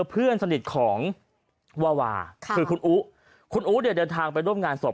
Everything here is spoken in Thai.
เพื่อนสนิทของวาวาคือคุณอู๋คุณอู๋เนี่ยเดินทางไปร่วมงานศพ